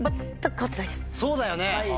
そうだよね！